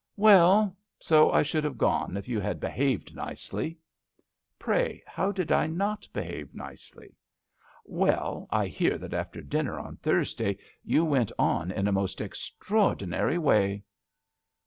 " Well, so I should have gone if you had behaved nicely." " Pray how did I not behave nicely ?" "Well, I hear that after \ CRANNV lovelock At HOME. 1 63 dinner on Thursday you went on in a most extraordinary way."